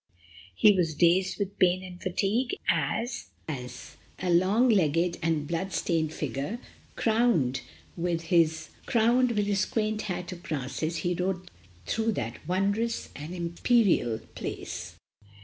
He was dazed with pain and fatigue as, a long legged, blood stained figure, crowned with his quaint hat of grasses, he rode through that wondrous and imperial place.